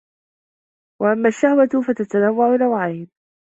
وَأَمَّا الشَّهْوَةُ فَتَتَنَوَّعُ نَوْعَيْنِ